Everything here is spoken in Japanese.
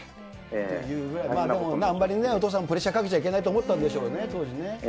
でもあんまりね、お父さんもプレッシャーかけちゃいけないと思ったんでしょうね、当時ね。